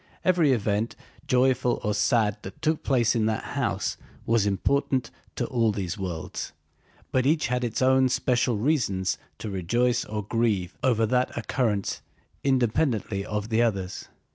Every event, joyful or sad, that took place in that house was important to all these worlds, but each had its own special reasons to rejoice or grieve over that occurrence independently of the others.